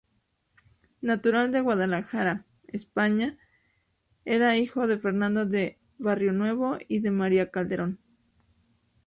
Natural de Guadalajara, España, era hijo de Fernando de Barrionuevo y de María Calderón.